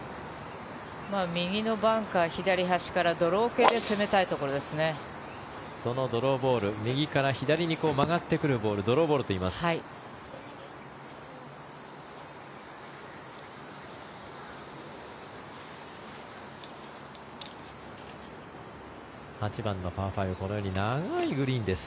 右のバンカー左端からドロー系でそのドローボール右から左に曲がってくるボールをドローボールといいます。